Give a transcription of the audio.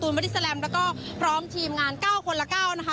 บอดี้แลมแล้วก็พร้อมทีมงาน๙คนละ๙นะคะ